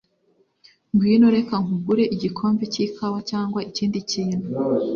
Ngwino, reka nkugure igikombe cy'ikawa cyangwa ikindi kintu.